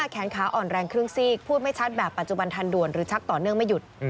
แขนขาอ่อนแรงครึ่งซีกพูดไม่ชัดแบบปัจจุบันทันด่วนหรือชักต่อเนื่องไม่หยุด